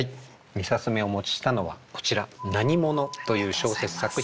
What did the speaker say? ２冊目お持ちしたのはこちら「何者」という小説作品をお持ちしました。